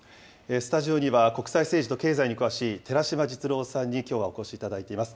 スタジオには国際政治と経済に詳しい寺島実郎さんに、きょうはお越しいただいています。